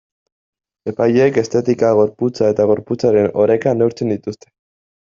Epaileek estetika, gorputza eta gorputzaren oreka neurtzen dituzte.